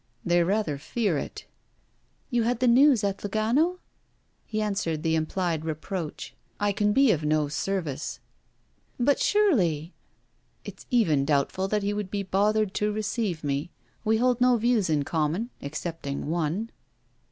'They rather fear it.' 'You had the news at Lugano?' He answered the implied reproach: 'I can be of no, service.' 'But surely!' 'It's even doubtful that he would be bothered to receive me. We hold no views in common excepting one.'